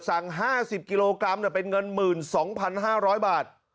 สั่ง๕๐กิโลกรัมเป็นเงิน๑๒๕๐๐บาท